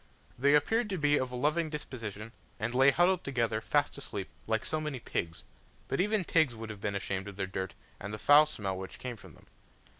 There appeared to be of a loving disposition, and lay huddled together, fast asleep, like so many pigs; but even pigs would have been ashamed of their dirt, and of the foul smell which came from them.